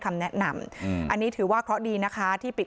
ไม่เป็นอะไรมากค่ะอยากฝากอะไรไหม